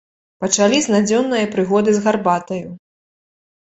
Пачалі з надзённае прыгоды з гарбатаю.